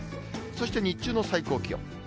そして日中の最高気温。